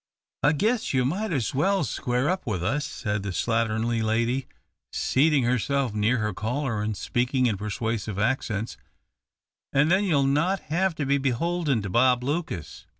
"I guess you might as well square up with us," said the slatternly woman, seating herself near her caller and speaking in' persuasive accents, "and then you'll not hev to be beholden to Bob Lucas.